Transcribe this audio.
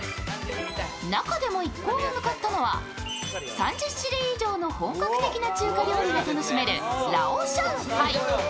中でも一行が向かったのは、３０種類以上の本格的な中華料理が楽しめるラオ・シャンハイ。